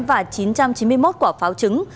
và chín trăm chín mươi một quả pháo trứng